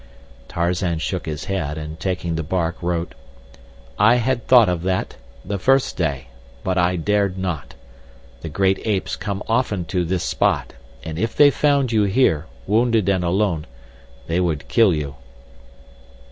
Tarzan shook his head and taking the bark, wrote: I had thought of that—the first day; but I dared not. The great apes come often to this spot, and if they found you here, wounded and alone, they would kill you.